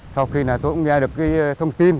sau khi tôi cũng nghe được thông tin